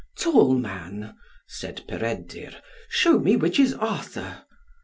"Tall man," said Peredur, "show me which is Arthur."